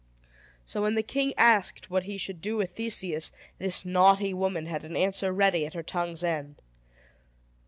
So, when the king asked what he should do with Theseus, this naughty woman had an answer ready at her tongue's end.